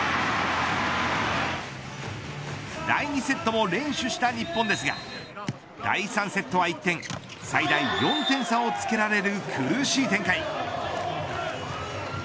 第２セットも連取した日本ですが第３セットは一転、最大４点差をつけられる苦しい展開。